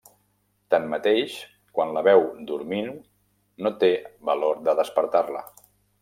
Tanmateix, quan la veu dormint, no té valor de despertar-la.